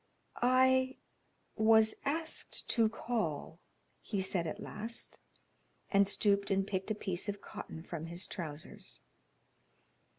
"I was asked to call," he said at last, and stooped and picked a piece of cotton from his trousers.